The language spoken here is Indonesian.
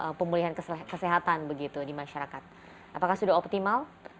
untuk pemulihan kesehatan begitu di masyarakat apakah sudah optimal